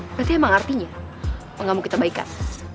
berarti emang artinya lo gak mau kita baikan